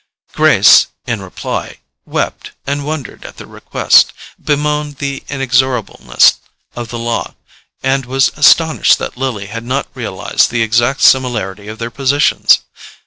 Grace, in reply, wept and wondered at the request, bemoaned the inexorableness of the law, and was astonished that Lily had not realized the exact similarity of their positions.